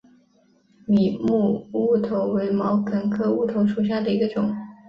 米林乌头为毛茛科乌头属下的一个种。